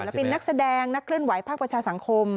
และเป็นนักแสดงนักเคลื่อนไหวภาคประชาสังคม